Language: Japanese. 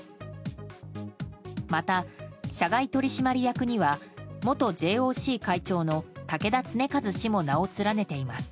また、社外取締役には元ＪＯＣ会長の竹田恒和氏も名を連ねています。